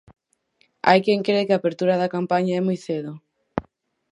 Hai quen cre que a apertura da campaña é moi cedo.